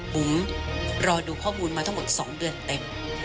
บุ๋มรอดูข้อมูลมาทั้งหมด๒เดือนเต็ม